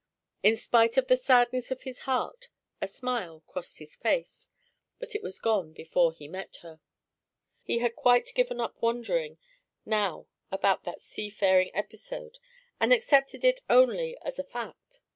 In spite of the sadness of his heart, a smile crossed his face, but it was gone before he met her. He had quite given up wondering now about that seafaring episode, and accepted it only as a fact.